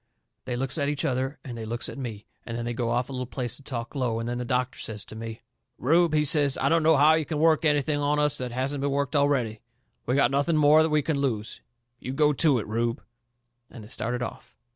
They looks at each other and they looks at me, and then they go off a little piece and talk low, and then the doctor says to me: "Rube," he says, "I don't know how you can work anything on us that hasn't been worked already. We've got nothing more we can lose. You go to it, Rube." And they started off.